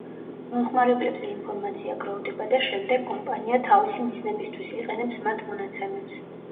მომხმარებლებზე ინფორმაცია გროვდება და შემდეგ კომპანია თავისი მიზნებისთვის იყენებს მათ მონაცემებს.